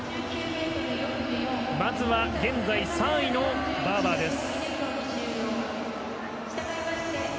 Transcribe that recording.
まずは現在３位のバーバーです。